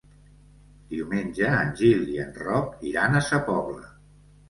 Diumenge en Gil i en Roc iran a Sa Pobla.